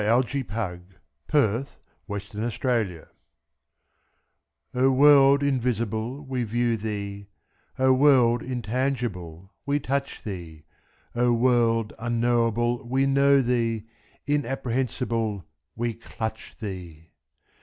39638Kingdom of HeavenFrancis Thompson O WORLD invisible, we view thee, O World intangible, we touch thee, O World unknowable, we know thee, Inapprehensible, we clutch thee!